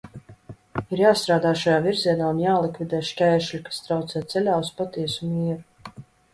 Ir jāstrādā šajā virzienā un jālikvidē šķēršļi, kas traucē ceļā uz patiesu mieru.